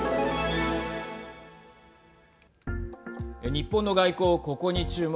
日本の外交、ここに注目。